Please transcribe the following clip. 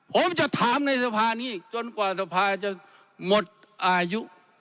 ผมจะถามในสภานี้จนกว่าสภาจะหมดอายุ